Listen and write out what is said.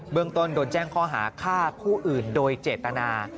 เมืองต้นโดนแจ้งข้อหาฆ่าผู้อื่นโดยเจตนา